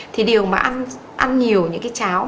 thì điều mà ăn nhiều cháo